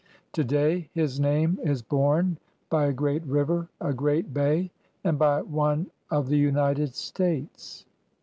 Today his name is borne by a great river, a great bay, and by one of the United States.